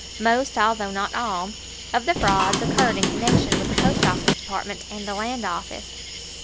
Most, although not all, of the frauds occurred in connection with the Post Office Department and the Land Office.